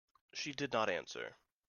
She did not answer.